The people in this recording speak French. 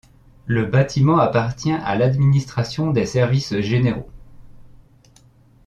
Le bâtiment appartient à l'Administration des services généraux.